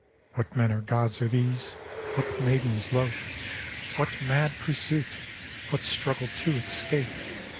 What men or gods are these? What maidens loath? What mad pursuit? What struggle to escape.